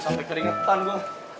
sampai keringetan gue